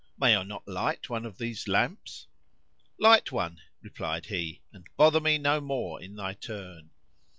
May I not light one of these lamps?" "Light one," replied he, "and bother me no more in thy turn!"